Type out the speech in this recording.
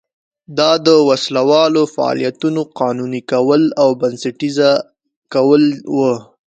دا د وسله والو فعالیتونو قانوني کول او بنسټیزه کول و.